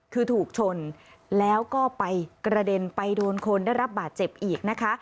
คือถูกชนแล้วก็ไปกระเด็นไปโดนคนได้รับบาดเจ็บอีกนะคะ